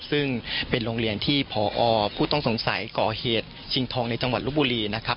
ซึ่งเป็นโรงเรียนที่พอผู้ต้องสงสัยก่อเหตุชิงทองในจังหวัดลบบุรีนะครับ